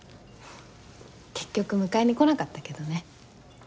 結局迎えに来なかったけどね。